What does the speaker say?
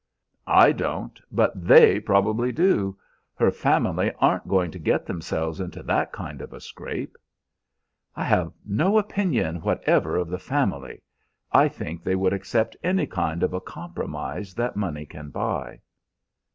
"I don't, but they probably do. Her family aren't going to get themselves into that kind of a scrape." "I have no opinion whatever of the family. I think they would accept any kind of a compromise that money can buy."